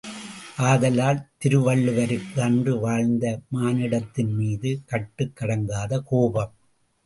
ஆதலால், திருவள்ளுவருக்கு அன்று வாழ்ந்த மானுடத்தின்மீது கட்டுக் கடங்காத கோபம்!